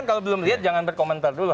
kalau belum lihat jangan berkomentar dulu